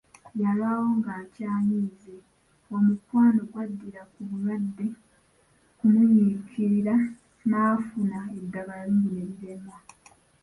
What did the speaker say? Yalwawo ng'akyanyiize, omukwano gwaddira ku bulwadde kumunyiikirira n'afuna eddagala lingi ne liremwa.